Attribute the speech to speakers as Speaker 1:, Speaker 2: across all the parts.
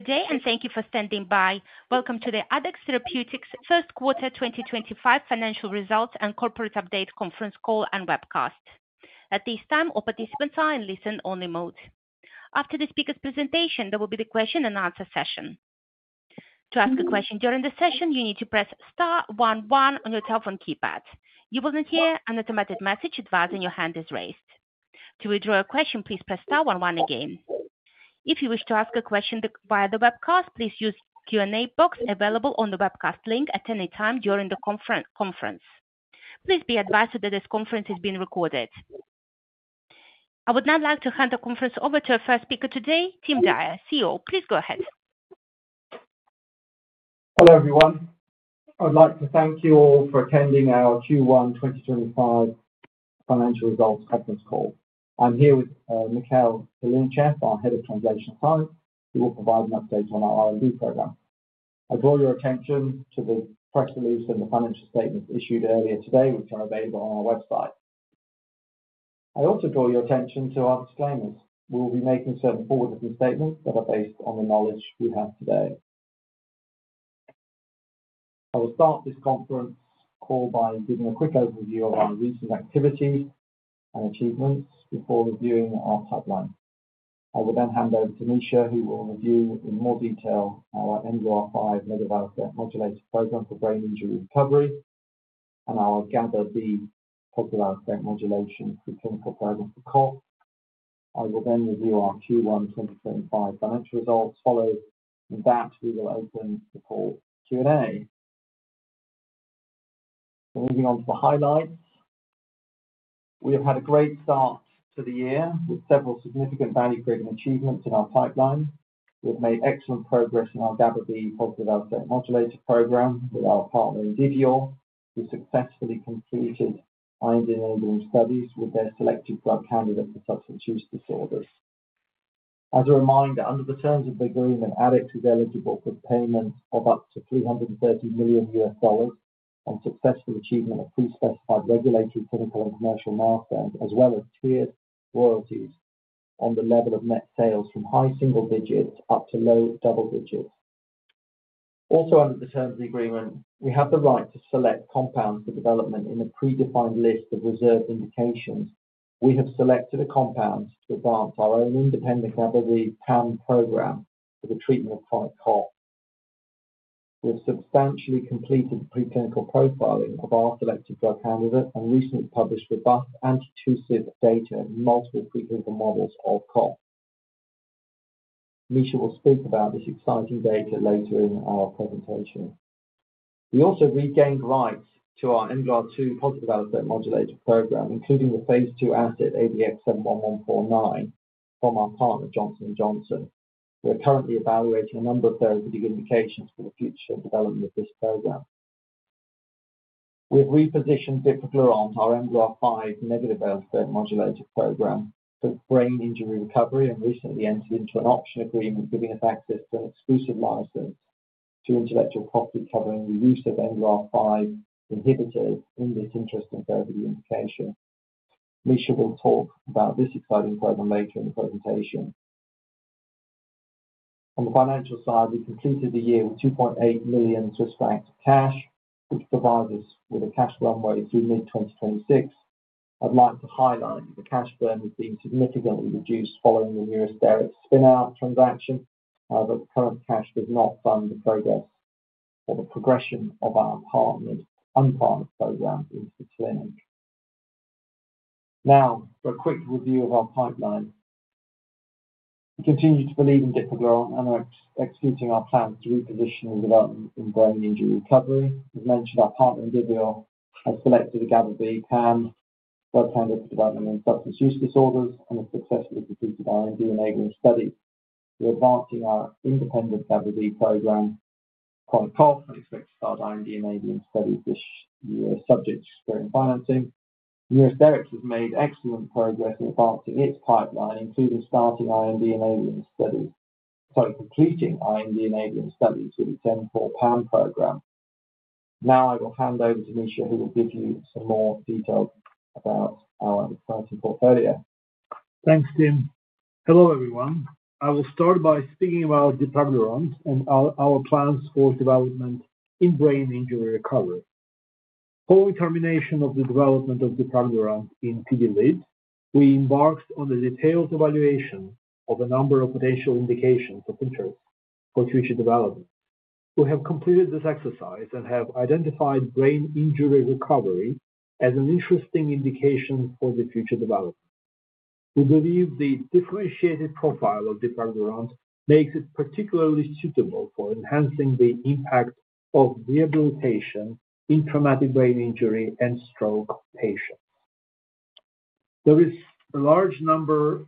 Speaker 1: Good day, and thank you for standing by. Welcome to the Addex Therapeutics First Quarter 2025 Financial Results and Corporate Update Conference Call and Webcast. At this time, all participants are in listen-only mode. After the speaker's presentation, there will be the question-and-answer session. To ask a question during the session, you need to press *11* on your telephone keypad. You will then hear an automated message advising your hand is raised. To withdraw a question, please press *11* again. If you wish to ask a question via the webcast, please use the Q&A box available on the webcast link at any time during the conference. Please be advised that this conference is being recorded. I would now like to hand the conference over to our first speaker today, Tim Dyer, CEO. Please go ahead.
Speaker 2: Hello, everyone. I'd like to thank you all for attending our Q1 2025 Financial Results Conference Call. I'm here with Mikhail Kalinichev, our Head of Translational Science, who will provide an update on our R&D program. I draw your attention to the press release and the financial statements issued earlier today, which are available on our website. I also draw your attention to our disclaimers. We will be making certain forward-looking statements that are based on the knowledge we have today. I will start this conference call by giving a quick overview of our recent activities and achievements before reviewing our pipeline. I will then hand over to Misha, who will review in more detail our mGlu5 modulator program for brain injury recovery, and I'll cover the positive allosteric modulation for the clinical program for chronic cough. I will then review our Q1 2025 financial results. Following that, we will open the call for Q&A. Moving on to the highlights. We have had a great start to the year with several significant value-creating achievements in our pipeline. We have made excellent progress in our GABA-B positive allosteric modulator program with our partner, Indivior, who successfully completed IND-enabling studies with their selected drug candidate for substance use disorders. As a reminder, under the terms of the agreement, Addex is eligible for payments of up to $330 million on successful achievement of pre-specified regulatory, clinical, and commercial milestones, as well as tiered royalties on the level of net sales from high single digits up to low double digits. Also, under the terms of the agreement, we have the right to select compounds for development in a predefined list of reserved indications. We have selected a compound to advance our own independent GABA-B PAM program for the treatment of chronic cough. We have substantially completed pre-clinical profiling of our selected drug candidate and recently published robust anti-tussive data in multiple pre-clinical models of cough. Misha will speak about this exciting data later in our presentation. We also regained rights to our mGlu2 positive allosteric modulator program, including the phase two asset ADX71149 from our partner, Johnson & Johnson. We're currently evaluating a number of therapeutic indications for the future development of this program. We have repositioned dipraglurant, our mGlu5 negative allosteric modulator program, for brain injury recovery and recently entered into an option agreement giving us access to an exclusive license to intellectual property covering the use of mGlu5 inhibitors in this interesting therapeutic indication. Misha will talk about this exciting program later in the presentation. On the financial side, we completed the year with $2.8 million cash, which provides us with a cash runway through mid-2026. I'd like to highlight that the cash burn has been significantly reduced following the Neurosterix spin-out transaction. However, current cash does not fund the progress or the progression of our partnered unpartnered programs into the clinic. Now, for a quick review of our pipeline. We continue to believe in dipraglurant and are executing our plans to reposition and develop in brain injury recovery. As mentioned, our partner, Indivior, has selected a GABA-B PAM drug candidate for development in substance use disorders and has successfully completed IND-enabling studies to advancing our independent GABA-B program for chronic cough and expects to start IND-enabling studies this year as subject to securing financing. Neurosterix has made excellent progress in advancing its pipeline, including starting R&D enabling studies—sorry, completing R&D enabling studies with its M4 PAM program. Now I will hand over to Misha, who will give you some more details about our exciting portfolio.
Speaker 3: Thanks, Tim. Hello, everyone. I will start by speaking about Dipraglurant and our plans for development in brain injury recovery. Following termination of the development of Dipraglurant in TdLID, we embarked on the detailed evaluation of a number of potential indications of interest for future development. We have completed this exercise and have identified brain injury recovery as an interesting indication for the future development. We believe the differentiated profile of Dipraglurant makes it particularly suitable for enhancing the impact of rehabilitation in traumatic brain injury and stroke patients. There is a large number,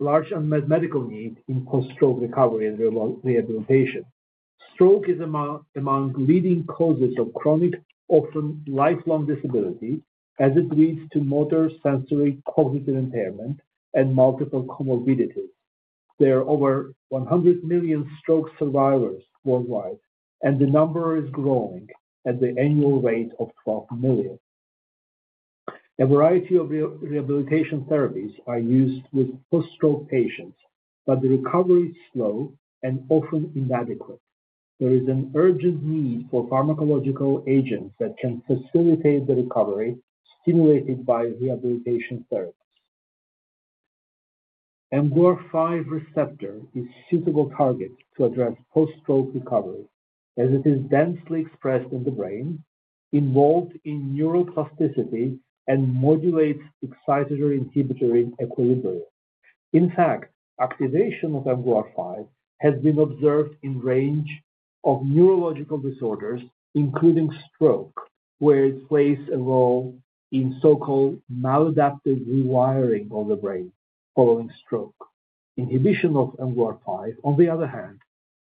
Speaker 3: large medical need in post-stroke recovery and rehabilitation. Stroke is among leading causes of chronic, often lifelong disability, as it leads to motor sensory cognitive impairment and multiple comorbidities. There are over 100 million stroke survivors worldwide, and the number is growing at the annual rate of 12 million. A variety of rehabilitation therapies are used with post-stroke patients, but the recovery is slow and often inadequate. There is an urgent need for pharmacological agents that can facilitate the recovery stimulated by rehabilitation therapies. mGlu5 receptor is a suitable target to address post-stroke recovery, as it is densely expressed in the brain, involved in neuroplasticity, and modulates excitatory inhibitory equilibrium. In fact, activation of mGlu5 has been observed in a range of neurological disorders, including stroke, where it plays a role in so-called maladaptive rewiring of the brain following stroke. Inhibition of mGlu5, on the other hand,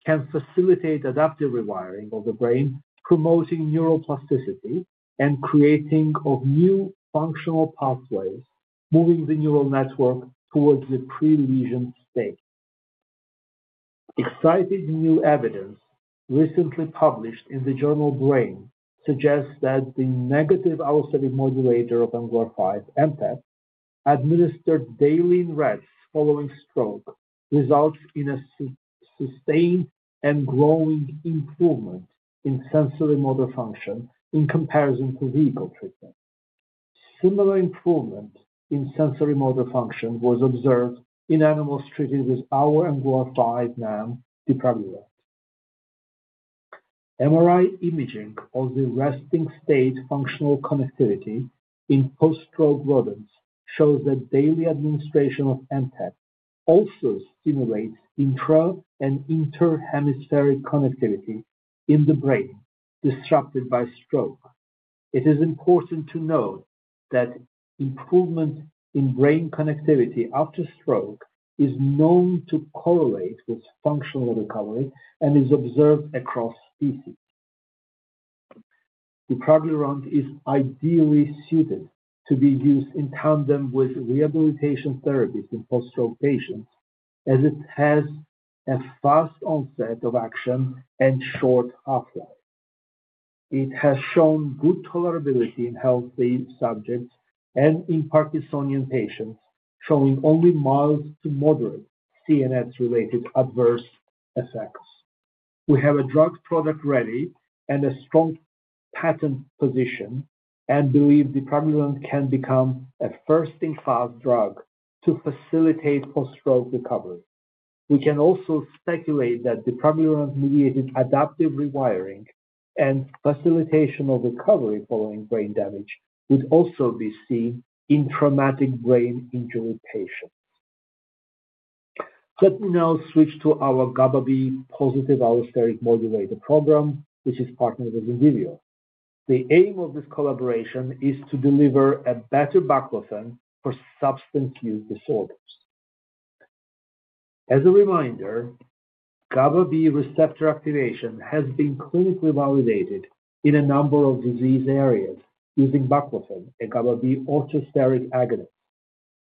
Speaker 3: can facilitate adaptive rewiring of the brain, promoting neuroplasticity and creating new functional pathways, moving the neural network towards the pre-lesion state. Excited new evidence recently published in the journal Brain suggests that the negative allosteric modulator of mGlu5, MTEP, administered daily in rats following stroke results in a sustained and growing improvement in sensory motor function in comparison to vehicle treatment. Similar improvement in sensory motor function was observed in animals treated with our mGlu5 NAM Dipraglurant. MRI imaging of the resting state functional connectivity in post-stroke rodents shows that daily administration of MTEP also stimulates intra- and interhemispheric connectivity in the brain disrupted by stroke. It is important to note that improvement in brain connectivity after stroke is known to correlate with functional recovery and is observed across species. Dipraglurant is ideally suited to be used in tandem with rehabilitation therapies in post-stroke patients, as it has a fast onset of action and short half-life. It has shown good tolerability in healthy subjects and in Parkinsonian patients, showing only mild to moderate CNS-related adverse effects. We have a drug product ready and a strong patent position and believe dipraglurant can become a first-in-class drug to facilitate post-stroke recovery. We can also speculate that dipraglurant-mediated adaptive rewiring and facilitation of recovery following brain damage would also be seen in traumatic brain injury patients. Let me now switch to our GABA-B positive allosteric modulator program, which is partnered with Indivior. The aim of this collaboration is to deliver a better baclofen for substance use disorders. As a reminder, GABA-B receptor activation has been clinically validated in a number of disease areas using baclofen, a GABA-B allosteric agonist.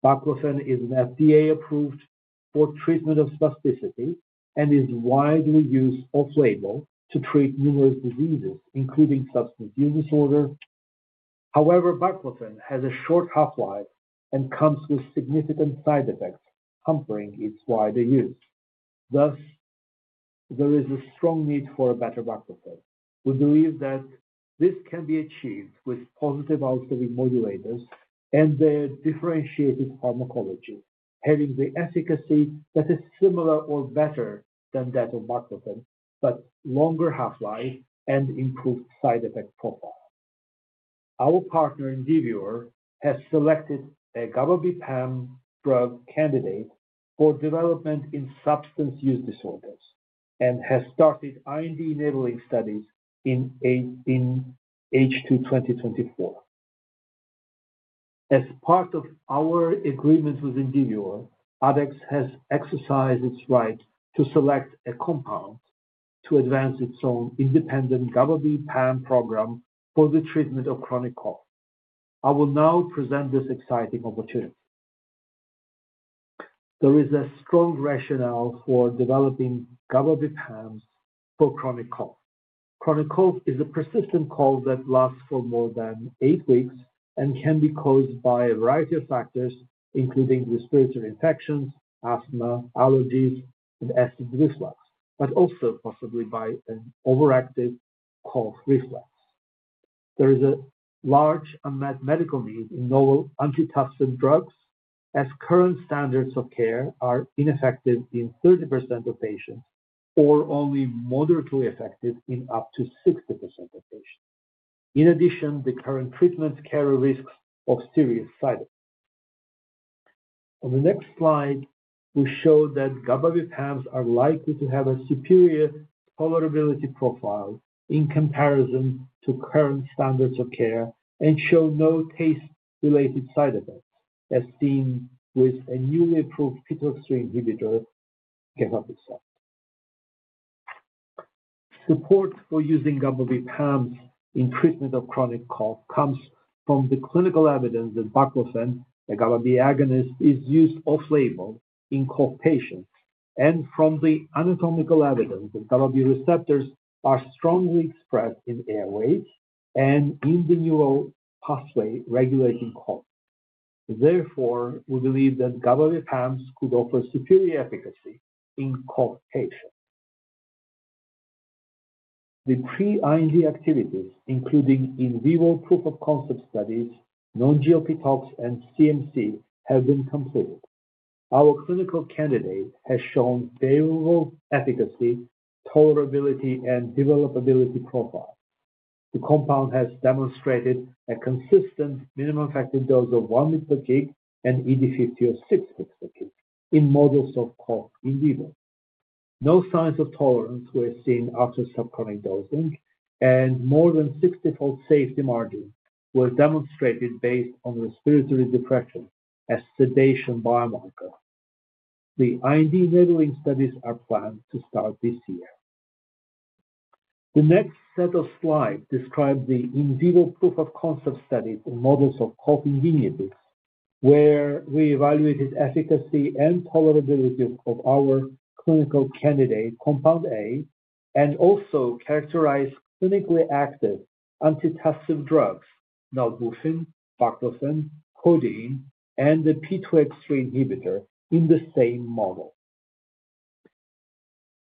Speaker 3: Baclofen is FDA-approved for treatment of spasticity and is widely used off-label to treat numerous diseases, including substance use disorders. However, baclofen has a short half-life and comes with significant side effects, hampering its wider use. Thus, there is a strong need for a better baclofen. We believe that this can be achieved with positive allosteric modulators and their differentiated pharmacology, having the efficacy that is similar or better than that of baclofen, but longer half-life and improved side effect profile. Our partner, Indivior, has selected a GABA-B PAM drug candidate for development in substance use disorders and has started IND-enabling studies in H2 2024. As part of our agreement with Indivior, Addex has exercised its right to select a compound to advance its own independent GABA-B PAM program for the treatment of chronic cough. I will now present this exciting opportunity. There is a strong rationale for developing GABA-B PAMs for chronic cough. Chronic cough is a persistent cough that lasts for more than eight weeks and can be caused by a variety of factors, including respiratory infections, asthma, allergies, and acid reflux, but also possibly by an overactive cough reflex. There is a large medical need in novel antitussive drugs, as current standards of care are ineffective in 30% of patients or only moderately effective in up to 60% of patients. In addition, the current treatments carry risks of serious side effects. On the next slide, we show that GABA-B PAMs are likely to have a superior tolerability profile in comparison to current standards of care and show no taste-related side effects, as seen with a newly approved P2X3 inhibitor, Gefapixant. Support for using GABA-B PAMs in treatment of chronic cough comes from the clinical evidence that baclofen, a GABA-B agonist, is used off-label in cough patients, and from the anatomical evidence that GABA-B receptors are strongly expressed in airways and in the neural pathway regulating cough. Therefore, we believe that GABA-B PAMs could offer superior efficacy in cough patients. The pre-IND activities, including Indivior proof-of-concept studies, non-GLP-tox, and CMC, have been completed. Our clinical candidate has shown favorable efficacy, tolerability, and developability profile. The compound has demonstrated a consistent minimum effective dose of 1 mg/kg and ED50 of 6 mg/kg in models of cough Indivior. No signs of tolerance were seen after subchronic dosing, and more than 60-fold safety margin was demonstrated based on respiratory depression as sedation biomarker. The IND-enabling studies are planned to start this year. The next set of slides describes the Indivior proof-of-concept studies in models of cough, where we evaluated efficacy and tolerability of our clinical candidate compound A and also characterized clinically active antitussive drugs, Nalbuphine, Baclofen, Codeine, and the P2X3 inhibitor in the same model.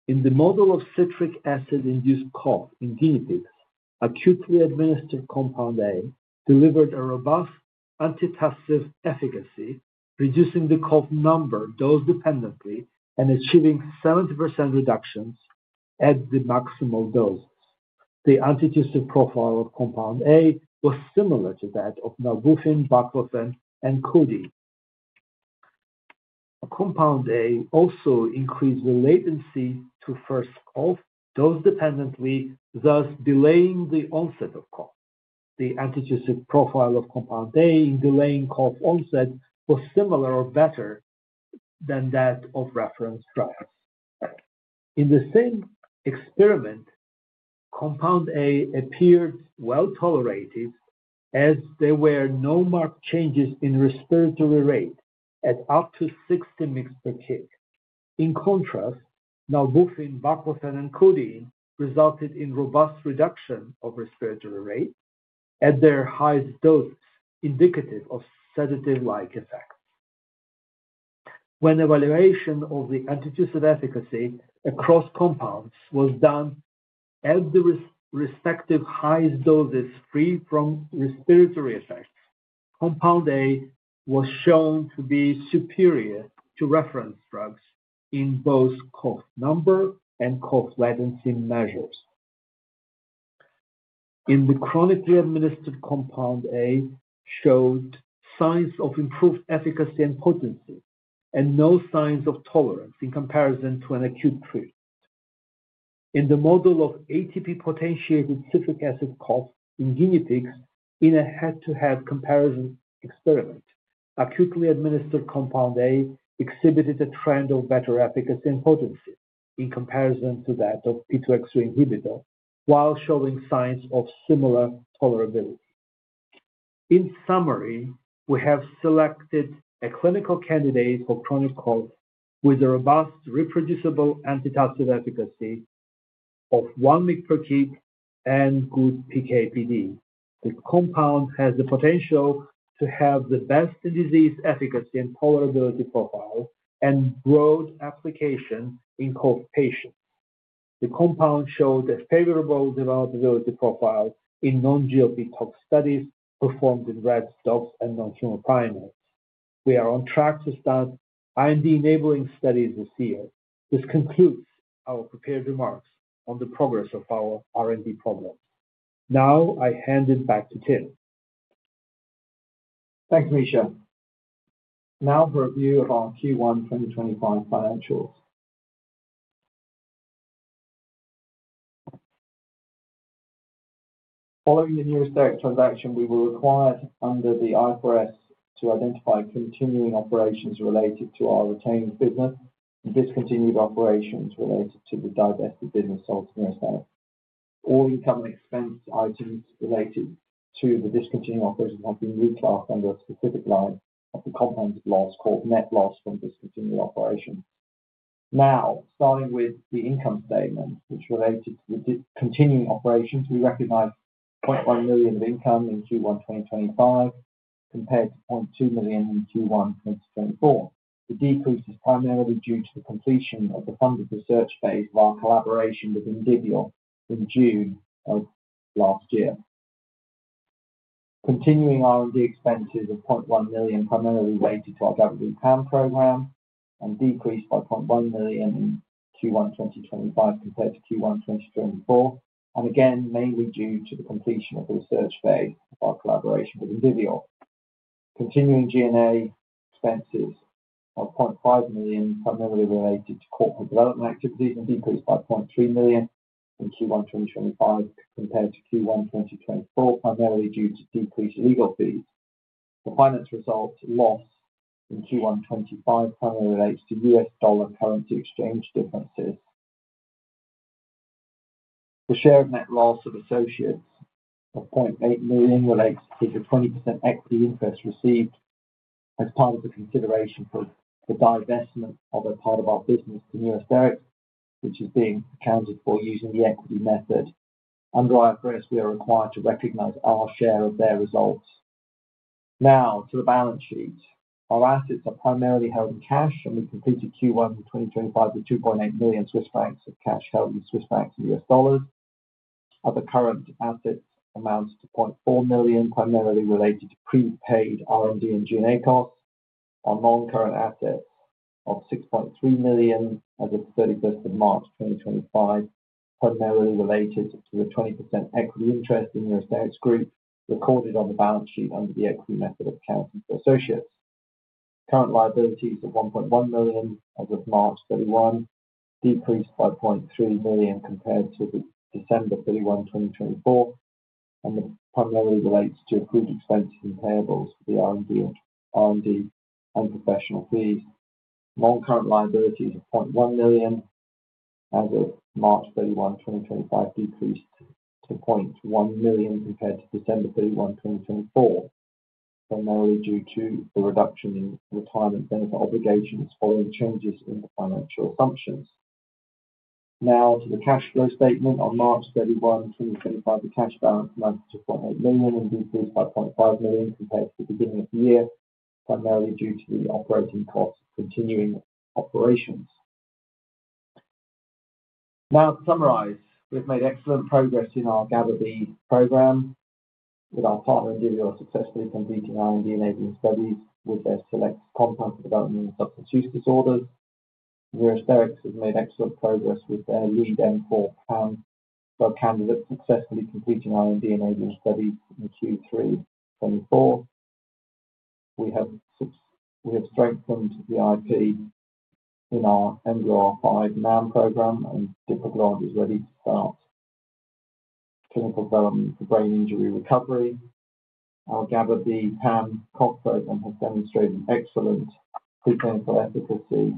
Speaker 3: In the model of citric acid-induced cough, acutely administered compound A delivered a robust antitussive efficacy, reducing the cough number dose-dependently and achieving 70% reductions at the maximal doses. The antitussive profile of compound A was similar to that of Nalbuphine, Baclofen, and Codeine. Compound A also increased the latency to first cough dose-dependently, thus delaying the onset of cough. The antitussive profile of compound A in delaying cough onset was similar or better than that of reference trials. In the same experiment, compound A appeared well tolerated, as there were no marked changes in respiratory rate at up to 60 mg/kg. In contrast, Nalbuphine, Baclofen, and Codeine resulted in robust reduction of respiratory rate at their highest doses, indicative of sedative-like effects. When evaluation of the antitussive efficacy across compounds was done at the respective highest doses free from respiratory effects, compound A was shown to be superior to reference drugs in both cough number and cough latency measures. In the chronically administered compound, A showed signs of improved efficacy and potency, and no signs of tolerance in comparison to an acute treatment. In the model of ATP-potentiated citric acid cough, Indivior, in a head-to-head comparison experiment, acutely administered compound A exhibited a trend of better efficacy and potency in comparison to that of P2X3 inhibitor, while showing signs of similar tolerability. In summary, we have selected a clinical candidate for chronic cough with a robust reproducible antitussive efficacy of 1 mg/kg and good PK/PD. The compound has the potential to have the best disease efficacy and tolerability profile and broad application in cough patients. The compound showed a favorable developability profile in non-GLP-tox studies performed in rats and non-human primates. We are on track to start IND-enabling studies this year. This concludes our prepared remarks on the progress of our R&D program. Now, I hand it back to Tim.
Speaker 2: Thanks, Misha. Now, for review of our Q1 2025 financials. Following the Neuraxpharm transaction, we were required under the IFRS to identify continuing operations related to our retained business and discontinued operations related to the divested business sold to Neuraxpharm. All income and expense items related to the discontinued operations have been reclassed under a specific line of the consolidated loss called net loss from discontinued operations. Now, starting with the income statement, which related to the continuing operations, we recognize 0.1 million of income in Q1 2025 compared to 0.2 million in Q1 2024. The decrease is primarily due to the completion of the funded research phase of our collaboration with Indivior in June of last year. Continuing R&D expenses of 0.1 million primarily related to our GABA-B PAM program and decreased by 0.1 million in Q1 2025 compared to Q1 2024, and again, mainly due to the completion of the research phase of our collaboration with Indivior. Continuing G&A expenses of 0.5 million primarily related to corporate development activities and decreased by 0.3 million in Q1 2025 compared to Q1 2024, primarily due to decreased legal fees. The finance result loss in Q1 2025 primarily relates to US dollar currency exchange differences. The share of net loss of associates of 0.8 million relates to the 20% equity interest received as part of the consideration for the divestment of a part of our business to Neurosterix, which is being accounted for using the equity method. Under IFRS, we are required to recognize our share of their results. Now, to the balance sheet. Our assets are primarily held in cash, and we completed Q1 2025 with 2.8 million Swiss francs of cash held in Swiss francs and US dollars. Other current assets amount to 0.4 million, primarily related to prepaid R&D and G&A costs. Our non-current assets of 6.3 million as of 31 March 2025, primarily related to the 20% equity interest in Neurosterix recorded on the balance sheet under the equity method of accounting for associates. Current liabilities of 1.1 million as of March 31, decreased by 0.3 million compared to December 31, 2024, and primarily relates to accrued expenses and payables for the R&D and professional fees. Non-current liabilities of 0.1 million as of March 31, 2025, decreased to 0.1 million compared to December 31, 2024, primarily due to the reduction in retirement benefit obligations following changes in the financial assumptions. Now, to the cash flow statement. On March 31, 2025, the cash balance amounted to 0.8 million and decreased by 0.5 million compared to the beginning of the year, primarily due to the operating costs of continuing operations. Now, to summarize, we've made excellent progress in our GABA-B program with our partner, Indivior, successfully completing IND-enabling studies with their select compound for development in substance use disorders. Neurosterix has made excellent progress with their lead M4 PAM candidates, successfully completing IND-enabling studies in Q3 2024. We have strengthened the IP in our mGlu5 NAM program, and Dipraglurant is ready to start clinical development for brain injury recovery. Our GABA-B PAM program has demonstrated excellent pre-clinical efficacy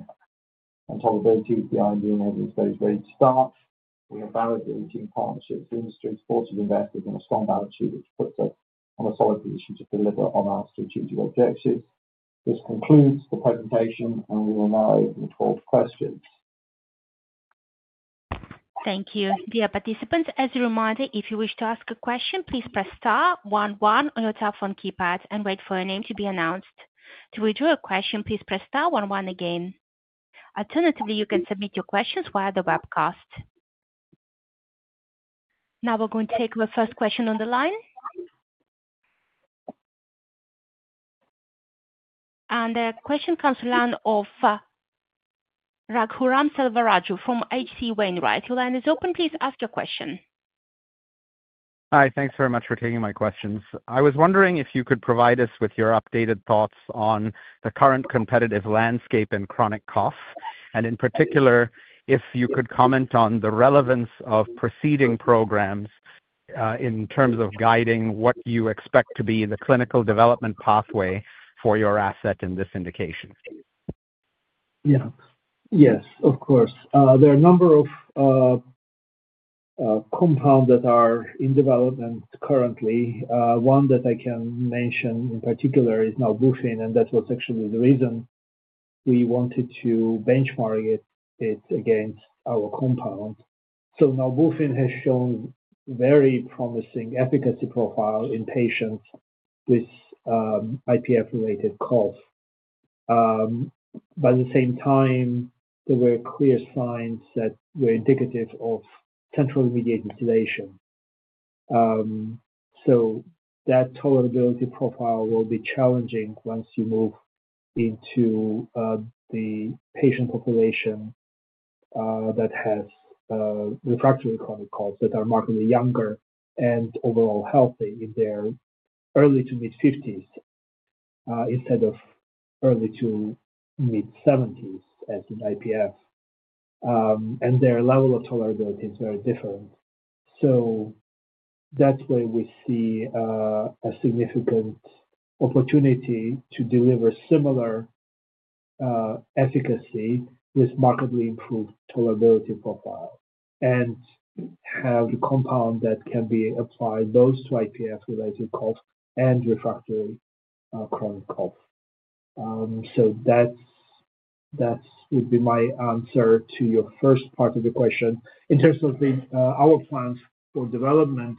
Speaker 2: and tolerability with the IND-enabling studies ready to start. We have validated partnerships with industry-supported investors and a strong balance sheet, which puts us in a solid position to deliver on our strategic objectives. This concludes the presentation, and we will now open the call for questions.
Speaker 1: Thank you. Dear participants, as a reminder, if you wish to ask a question, please press star one one on your telephone keypad and wait for your name to be announced. To withdraw a question, please press star one one again. Alternatively, you can submit your questions via the webcast. Now, we are going to take the first question on the line. The question comes from the line of Raghuram Selvaraju from HC Wainwright. Your line is open. Please ask your question.
Speaker 4: Hi, thanks very much for taking my questions. I was wondering if you could provide us with your updated thoughts on the current competitive landscape in chronic cough, and in particular, if you could comment on the relevance of preceding programs in terms of guiding what you expect to be the clinical development pathway for your asset in this indication.
Speaker 3: Yeah. Yes, of course. There are a number of compounds that are in development currently. One that I can mention in particular is Nalbuphine, and that was actually the reason we wanted to benchmark it against our compound. So Nalbuphine has shown a very promising efficacy profile in patients with IPF-related cough. By the same time, there were clear signs that were indicative of central immediate installation. That tolerability profile will be challenging once you move into the patient population that has refractory chronic coughs that are markedly younger and overall healthy in their early to mid-50s instead of early to mid-70s, as in IPF. Their level of tolerability is very different. That is where we see a significant opportunity to deliver similar efficacy with markedly improved tolerability profile and have a compound that can be applied both to IPF-related cough and refractory chronic cough. That would be my answer to your first part of the question. In terms of our plans for development,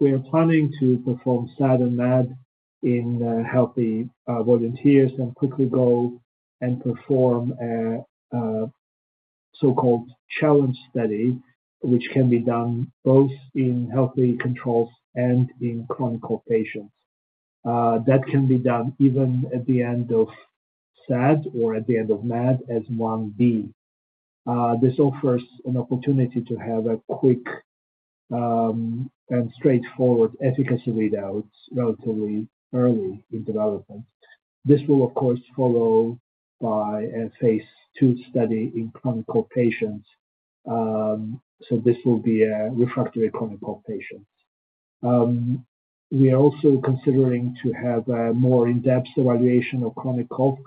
Speaker 3: we are planning to perform SAD and MAD in healthy volunteers and quickly go and perform a so-called challenge study, which can be done both in healthy controls and in chronic cough patients. That can be done even at the end of SAD or at the end of MAD as 1B. This offers an opportunity to have a quick and straightforward efficacy readout relatively early in development. This will, of course, be followed by a phase two study in chronic cough patients. This will be a refractory chronic cough patient. We are also considering having a more in-depth evaluation of chronic cough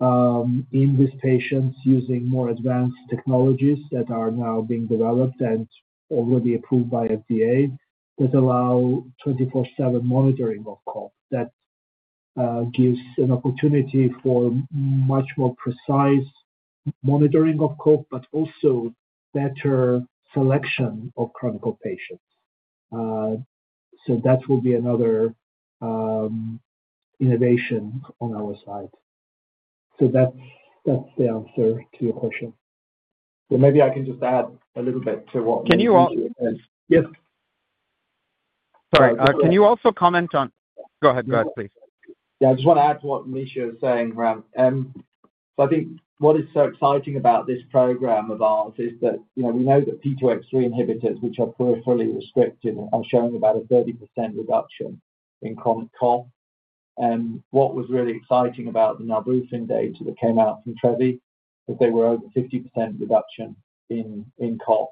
Speaker 3: in these patients using more advanced technologies that are now being developed and already approved by FDA that allow 24/7 monitoring of cough. That gives an opportunity for much more precise monitoring of cough but also better selection of chronic cough patients. That will be another innovation on our side. That is the answer to your question.
Speaker 2: Maybe I can just add a little bit to what Misha just said.
Speaker 4: Can you? Yes. Sorry. Can you also comment on? Go ahead. Please.
Speaker 2: Yeah. I just want to add to what Misha was saying, Ram. I think what is so exciting about this program of ours is that we know that P2X3 inhibitors, which are peripherally restricted, are showing about a 30% reduction in chronic cough. What was really exciting about the Nalbuphine data that came out from Trevi is that there were over 50% reduction in cough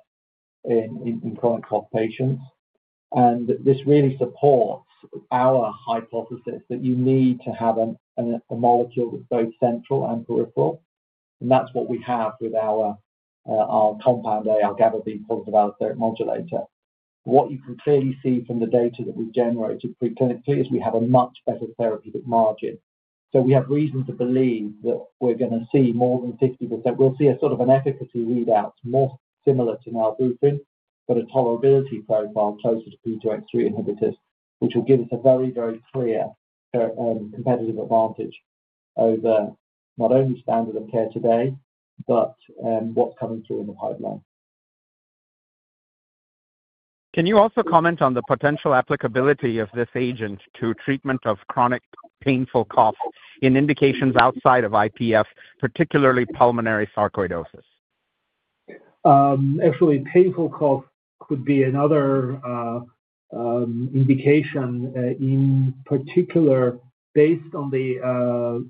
Speaker 2: in chronic cough patients. This really supports our hypothesis that you need to have a molecule that is both central and peripheral. That is what we have with our compound, our GABA-B positive allosteric modulator. What you can clearly see from the data that we have generated pre-clinically is we have a much better therapeutic margin. We have reason to believe that we are going to see more than 50%. We'll see a sort of an efficacy readout more similar to Nalbuphine, but a tolerability profile closer to P2X3 inhibitors, which will give us a very, very clear competitive advantage over not only standard of care today, but what's coming through in the pipeline.
Speaker 4: Can you also comment on the potential applicability of this agent to treatment of chronic painful cough in indications outside of IPF, particularly pulmonary sarcoidosis?
Speaker 2: Actually, painful cough would be another indication, in particular based on the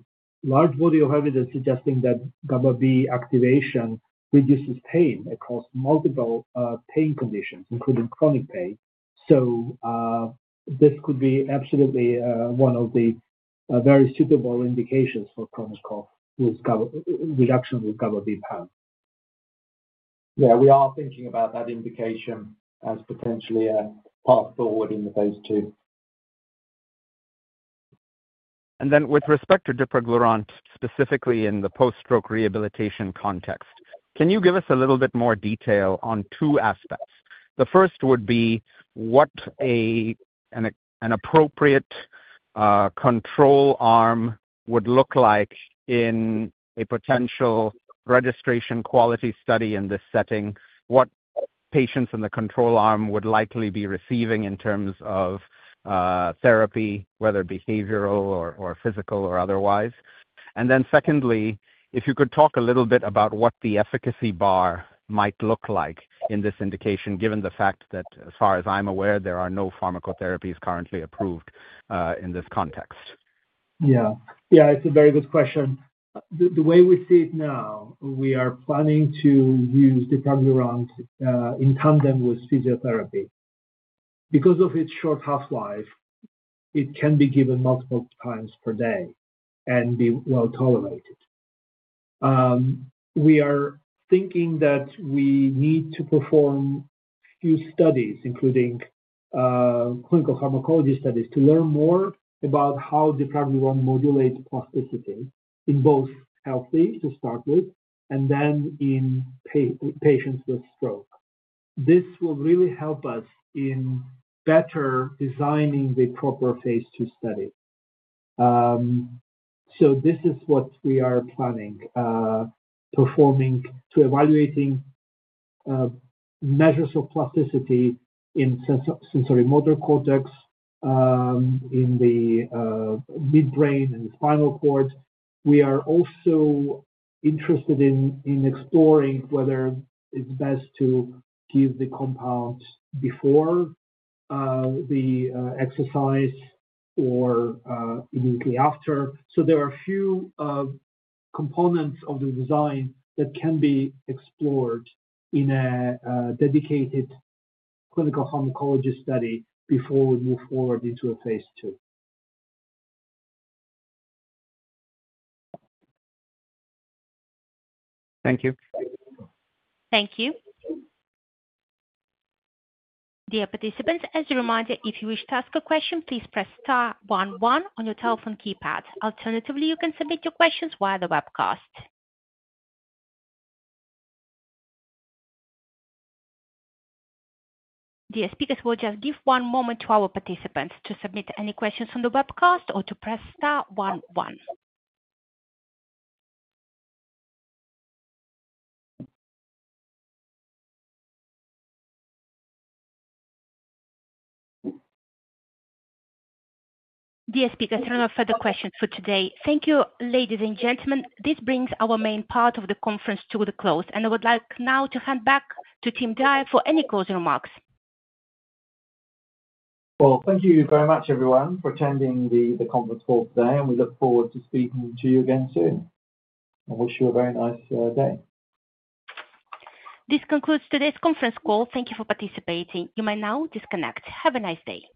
Speaker 2: large body of evidence suggesting that GABA-B activation reduces pain across multiple pain conditions, including chronic pain. This could be absolutely one of the very suitable indications for chronic cough reduction with GABA-B PAM. Yeah. We are thinking about that indication as potentially a path forward in the phase two.
Speaker 4: With respect to Dipraglurant, specifically in the post-stroke rehabilitation context, can you give us a little bit more detail on two aspects? The first would be what an appropriate control arm would look like in a potential registration quality study in this setting, what patients in the control arm would likely be receiving in terms of therapy, whether behavioral or physical or otherwise. Secondly, if you could talk a little bit about what the efficacy bar might look like in this indication, given the fact that, as far as I'm aware, there are no pharmacotherapies currently approved in this context.
Speaker 2: Yeah. Yeah. It's a very good question. The way we see it now, we are planning to use Dipraglurant in tandem with physiotherapy. Because of its short half-life, it can be given multiple times per day and be well tolerated. We are thinking that we need to perform a few studies, including clinical pharmacology studies, to learn more about how Dipraglurant modulates plasticity in both healthy to start with and then in patients with stroke. This will really help us in better designing the proper phase two study. This is what we are planning, performing to evaluating measures of plasticity in sensory motor cortex, in the midbrain and spinal cord. We are also interested in exploring whether it's best to give the compound before the exercise or immediately after. There are a few components of the design that can be explored in a dedicated clinical pharmacology study before we move forward into a phase two.
Speaker 4: Thank you.
Speaker 1: Thank you. Dear participants, as a reminder, if you wish to ask a question, please press star one one on your telephone keypad. Alternatively, you can submit your questions via the webcast. Dear speakers, we'll just give one moment to our participants to submit any questions on the webcast or to press star one one. Dear speakers, there are no further questions for today. Thank you, ladies and gentlemen. This brings our main part of the conference to a close. I would like now to hand back to Tim Dyer for any closing remarks.
Speaker 2: Thank you very much, everyone, for attending the conference call today. We look forward to speaking to you again soon and wish you a very nice day.
Speaker 1: This concludes today's conference call. Thank you for participating. You may now disconnect. Have a nice day.